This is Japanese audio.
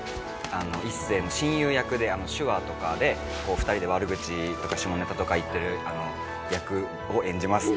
一星の親友役で手話とかで２人で悪口とか下ネタとか言ってる役を演じます。